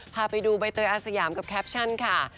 พาไปดูใบเตยอาสยามกับแคปชั่นค่ะ